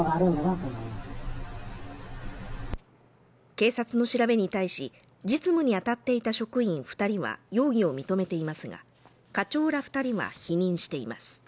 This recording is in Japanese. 警察の調べに対し、実務に当たっていた職員２人は容疑を認めていますが、課長ら２人は否認しています。